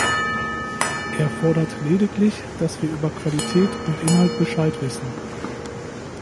Er fordert lediglich, dass wir über Qualität und Inhalt Bescheid wissen.